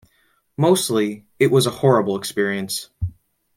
Mostly, it was a horrible experience.